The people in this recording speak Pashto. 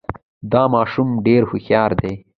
دا ماشوم ډېر هوښیار دی.